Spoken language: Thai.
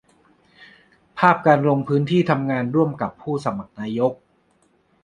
ภาพการลงพื้นที่ทำงานร่วมกับผู้สมัครนายก